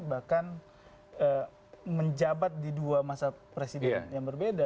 bahkan menjabat di dua masa presiden yang berbeda